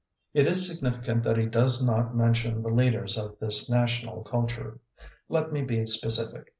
It is significant that he does not mention the leaders of this national culture. Let me be specific.